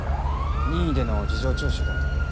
任意での事情聴取だったので。